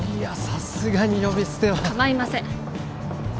さすがに呼び捨ては構いません